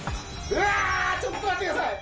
うわあちょっと待ってください！